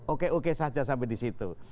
oke oke saja sampai di situ